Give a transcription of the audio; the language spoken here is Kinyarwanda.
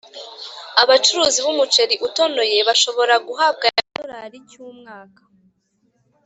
Abacuruzi b umuceri udatonoye bashobora kuhabway amadolari cy umwaka